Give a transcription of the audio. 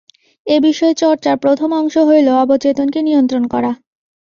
এ-বিষয়ে চর্চার প্রথম অংশ হইল অবচেতনকে নিয়ন্ত্রণ করা।